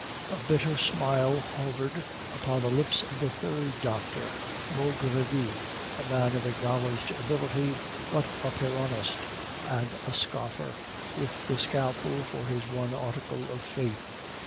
A bitter smile hovered upon the lips of the third doctor, Maugredie, a man of acknowledged ability, but a Pyrrhonist and a scoffer, with the scalpel for his one article of faith.